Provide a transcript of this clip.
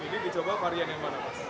jadi dicoba varian yang mana pas